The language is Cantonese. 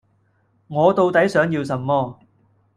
我到底想要什麼